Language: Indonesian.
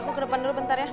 aku ke depan dulu bentar ya